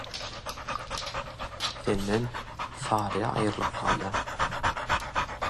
senden «Saryýa» aýrylyp galýar.